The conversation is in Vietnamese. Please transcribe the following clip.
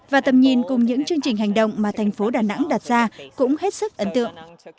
và tầm nhìn cùng những chương trình hành động mà thành phố đà nẵng đặt ra cũng hết sức ấn tượng